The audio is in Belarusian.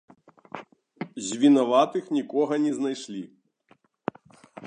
З вінаватых нікога не знайшлі.